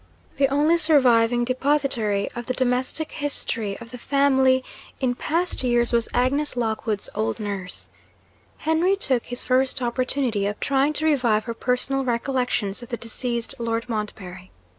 The only surviving depositary of the domestic history of the family in past years, was Agnes Lockwood's old nurse. Henry took his first opportunity of trying to revive her personal recollections of the deceased Lord Montbarry.